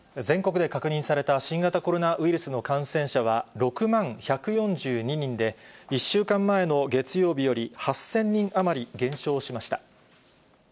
全国で確認された新型コロナウイルスの感染者は６万１４２人で、１週間前の月曜日より８０００人余り減少しました。